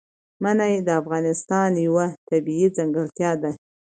منی د افغانستان یوه طبیعي ځانګړتیا ده.